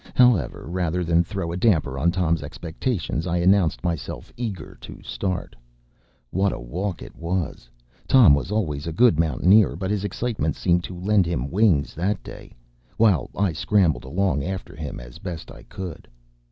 However, rather than throw a damper on Tom’s expectations, I announced myself eager to start. What a walk it was! Tom was always a good mountaineer, but his excitement seemed to lend him wings that day, while I scrambled along after him as best I could.